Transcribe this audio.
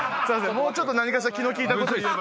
もうちょっと何かしら気の利いたこと言えば。